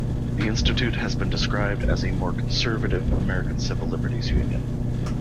The institute has been described as a more conservative American Civil Liberties Union.